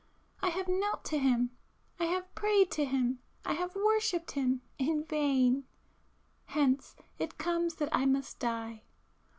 I have knelt to him,—I have prayed to him,—I have worshipped him,—in vain! Hence it comes that I must die.